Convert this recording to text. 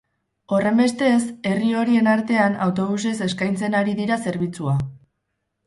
Horrenbestez, herri horien artean autobusez eskaintzen ari dira zerbitzua.